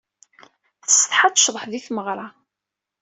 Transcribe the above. Tsetḥa ad tecḍeḥ di tmeɣra.